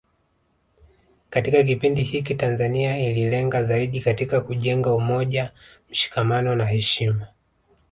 Katika kipindi hiki Tanzania ililenga zaidi katika kujenga umoja mshikamano na heshima